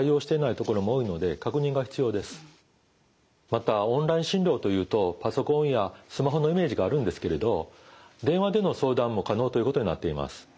またオンライン診療というとパソコンやスマホのイメージがあるんですけれど電話での相談も可能ということになっています。